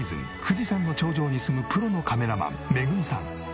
富士山の頂上に住むプロのカメラマンめぐみさん。